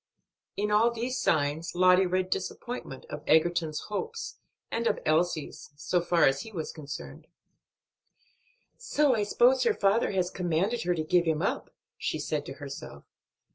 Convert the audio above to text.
In all these signs Lottie read disappointment of Egerton's hopes, and of Elsie's, so far as he was concerned. "So I suppose her father has commanded her to give him up," she said to herself.